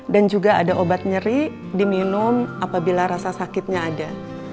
juga ada obat nyeri diminum apabila rasa sakitnya ada